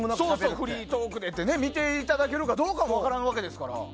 フリートークで見ていただけるかどうかも分からんわけですから。